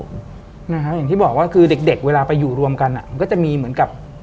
อย่างที่บอกว่าคือเด็กเวลาไปอยู่รวมกันมันก็จะมีเหมือนกับ